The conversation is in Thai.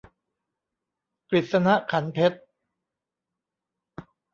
กฤษณะ ขรรค์เพชร